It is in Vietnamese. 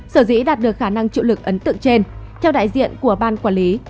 sở dĩ đạt được khả năng chịu lực ấn tượng trên theo đại diện của ban quản lý